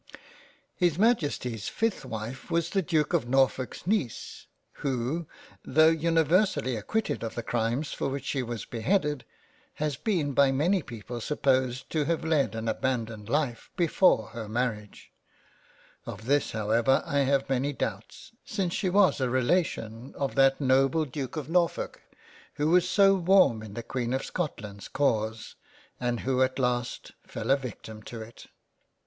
His Majesty's 5th Wife was the Duke of Norfolk's Neice who, tho' universally acquitted of the crimes for which she was beheaded, has been by many people supposed to have led an abandoned life before her Marriage — of this however I have many doubts, since she was a relation of that noble Duke of Norfolk who was so warm in the Queen of Scotland's cause, and who at last fell a victim to it.